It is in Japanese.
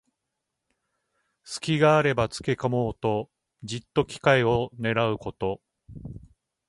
すきがあればつけこもうと、じっと機会をねらうこと。